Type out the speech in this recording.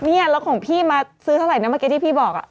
เนี่ยแล้วของพี่มาซื้อเท่าไหร่เนี๊ยวเขาบอก